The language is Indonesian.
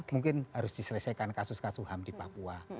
mungkin harus diselesaikan kasus kasus ham di papua